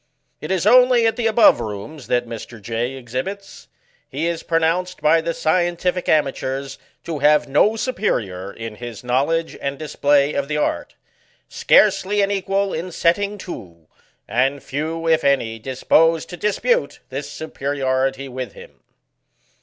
It is only at the above rooms that Mr. J. exhibits. He is pro nounced by the scientific amateurs, to have no su perior in his knowledge and display of the art ŌĆö scarcely an equal in setting to ŌĆö and few, if any, dis posed to dispute this superiority with him.